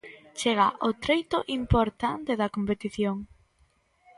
Chega o treito importante da competición.